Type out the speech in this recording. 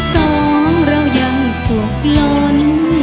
สองเรายังสุขล้น